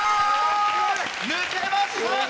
抜けました！